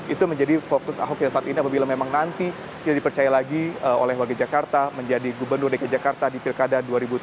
itu menjadi fokus ahok yang saat ini apabila memang nanti tidak dipercaya lagi oleh warga jakarta menjadi gubernur dki jakarta di pilkada dua ribu tujuh belas